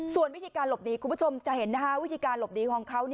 ส่วนวิธีการหลบหนีคุณผู้ชมจะเห็นวิธีการหลบหนีของเขา